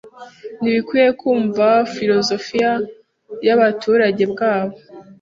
Ntibikwiye kumva filozofiya yabaturage bwabo